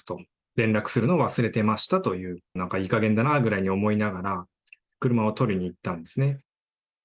連絡するのを忘れてましたという、なんかいいかげんだなくらいに思いながら、車を取りに行ったんですね。